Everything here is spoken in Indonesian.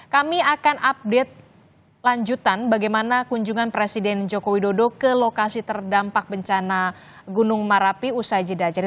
kami akan update lanjutan bagaimana kunjungan presiden joko widodo ke lokasi terdampak bencana gunung merapi usai jeda